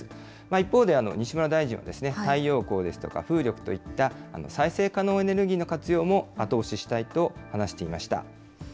一方で、西村大臣は太陽光ですとか、風力といった再生可能エネルギーの活用も後押ししたいと話していました。